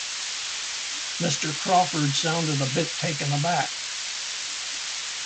Mr. Crawford sounded a bit taken aback.